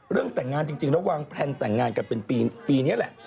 เรื่องแต่งงานจริงแล้ววางแพลนแต่งงานกันเป็นปีนี้แหละ